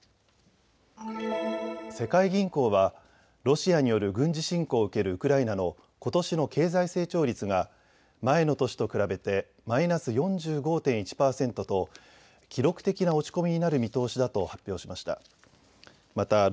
世界銀行はロシアによる軍事侵攻を受けるウクライナのことしの経済成長率が前の年と比べてマイナス４５．１％と記録的な落ち込みになる見通しだと発表しました。